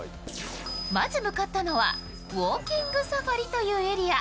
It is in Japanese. まず向かったのはウォーキングサファリというエリア。